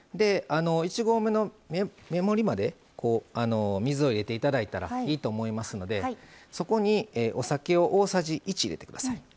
１合目の目盛りまでこう水を入れて頂いたらいいと思いますのでそこにお酒を大さじ１入れて下さい。